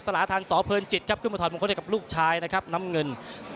ลาทันสอเพลินจิตครับขึ้นมาถอดมงคลให้กับลูกชายนะครับน้ำเงิน